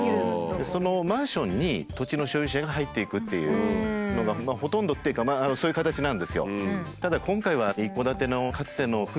そのマンションに土地の所有者が入っていくっていうのがほとんどっていうかそういう形なんですよ。